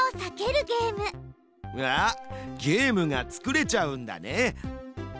わあゲームが作れちゃうんだね。